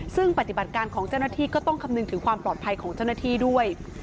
ซึ่งปฏิบัติการของเจ้าหน้าที่ก็ต้องคำนึงถึงความปลอดภัยของเจ้าหน้าที่ด้วย